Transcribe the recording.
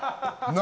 何？